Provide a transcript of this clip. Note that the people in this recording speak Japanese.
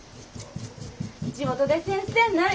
「地元で先生になる」